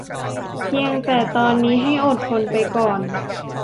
เพียงแต่ตอนนี้ให้อดทนไปก่อน